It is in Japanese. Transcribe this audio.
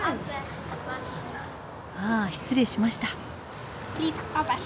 あっ失礼しました。